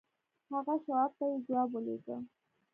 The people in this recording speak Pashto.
هغه شواب ته يې ځواب ولېږه.